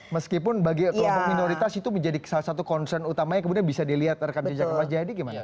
meskipun bagi kelompok minoritas itu menjadi salah satu concern utamanya kemudian bisa dilihat rekam jejak mas jayadi gimana